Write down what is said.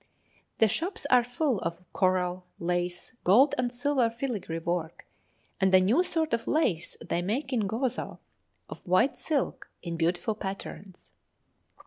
The shops are full of coral, lace, gold and silver filigree work, and a new sort of lace they make in Gozo, of white silk, in beautiful patterns.